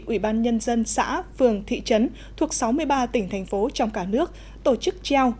ủy ban nhân dân xã phường thị trấn thuộc sáu mươi ba tỉnh thành phố trong cả nước tổ chức treo